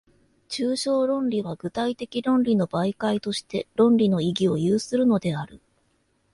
抽象論理は具体的論理の媒介として、論理の意義を有するのである。